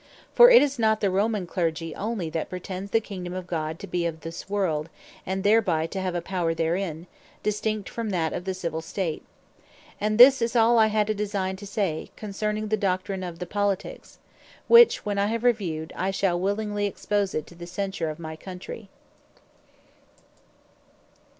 For it is not the Romane Clergy onely, that pretends the Kingdome of God to be of this World, and thereby to have a Power therein, distinct from that of the Civill State. And this is all I had a designe to say, concerning the Doctrine of the POLITIQUES. Which when I have reviewed, I shall willingly expose it to the censure of my Countrey.